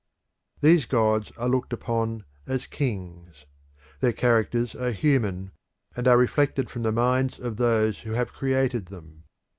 These gods are looked upon as kings. Their characters are human, and are reflected from the minds of those who have created them.